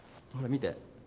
見て。